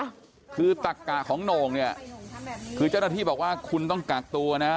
คือตักกะของโหน่งเนี่ยคือเจ้าหน้าที่บอกว่าคุณต้องกักตัวนะ